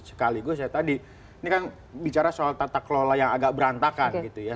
sekaligus ya tadi ini kan bicara soal tata kelola yang agak berantakan gitu ya